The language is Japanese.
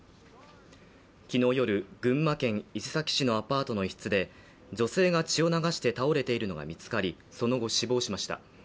昨日夜、群馬県伊勢崎市のアパートの一室で女性が血を流して倒れているのが見つかり、その後、死亡しました。